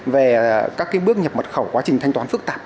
về các bước nhập mật khẩu quá trình thanh toán phức tạp